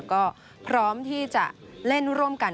ก็พร้อมที่จะเล่นร่วมกัน